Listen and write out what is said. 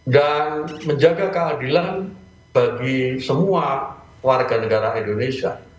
dan menjaga keadilan bagi semua warga negara indonesia